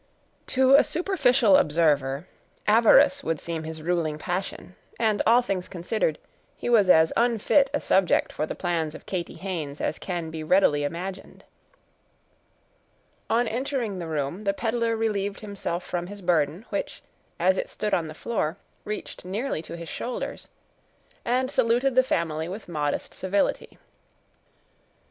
To a superficial observer, avarice would seem his ruling passion—and, all things considered, he was as unfit a subject for the plans of Katy Haynes as can be readily imagined. On entering the room, the peddler relieved himself from his burden, which, as it stood on the floor, reached nearly to his shoulders, and saluted the family with modest civility.